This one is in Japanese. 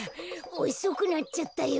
おそくなっちゃったよ。